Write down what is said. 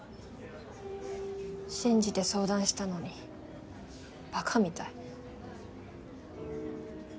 信じて相談したのに馬鹿みたい。